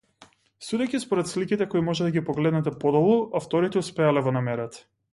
Судејќи според сликите кои може да ги погледнете подолу, авторите успеале во намерата.